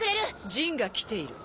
ジンが来ている。